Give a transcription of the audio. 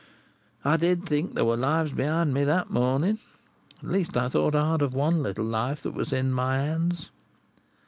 I did think there were lives behind me that morning; at least, I thought hard of one little life that was in my hands.